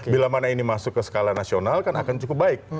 bila mana ini masuk ke skala nasional kan akan cukup baik